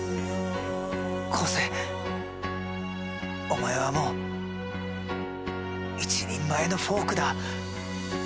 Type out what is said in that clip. お前はもう一人前のフォークだ。